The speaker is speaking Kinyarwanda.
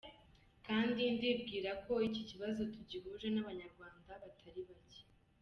Kandi ndibwira ko iki kibazo tugihuje n’Abanyarwanda batari bake.